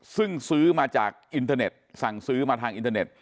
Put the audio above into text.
ซึ่งซื้อมาจากอินเทอร์เน็ตสั่งซื้อมาทางอินเทอร์เน็ต